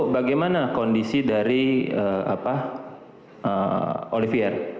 bagaimana kondisi dari olivier